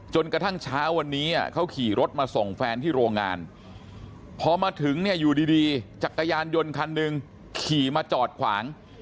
จนกระทั่งเช้าวันนี้เขาขี่รถมาส่งแฟนที่โรงงานพอมาถึงเนี่ยอยู่ดีจักรยานยนต์คันหนึ่งขี่มาจอดขวาง